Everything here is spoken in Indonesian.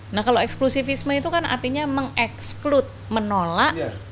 nah kalau eksklusifisme itu kan artinya mengeksklut menolak